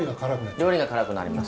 料理が辛くなります。